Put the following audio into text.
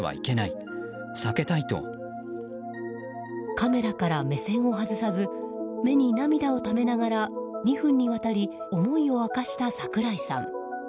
カメラから目線を外さず目に涙をためながら２分にわたり思いを明かした櫻井さん。